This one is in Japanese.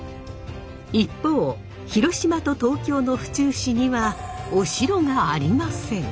一方広島と東京の府中市にはお城がありません。